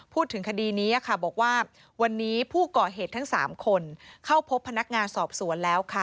พูดถึงคดีนี้บอกว่าวันนี้ผู้ก่อเหตุทั้ง๓คนเข้าพบพนักงานสอบสวนแล้วค่ะ